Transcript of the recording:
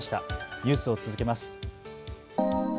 ニュースを続けます。